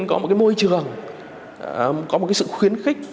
có một cái môi trường có một cái sự khuyến khích